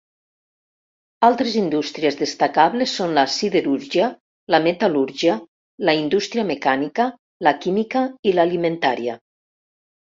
Altres indústries destacables són la siderúrgia, la metal·lúrgia, la indústria mecànica, la química i l'alimentària.